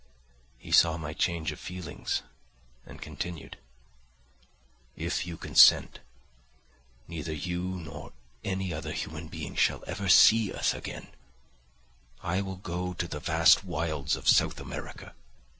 He saw my change of feeling and continued, "If you consent, neither you nor any other human being shall ever see us again; I will go to the vast wilds of South America.